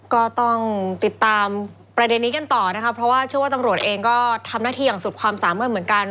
ก็ต้องติดตามประเด็นนี้กันต่อนะคะเพราะว่าเชื่อว่าตำรวจเองก็ทำหน้าที่อย่างสุดความสามารถเหมือนกัน